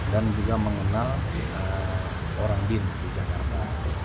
dan juga mengenal orang bin di jakarta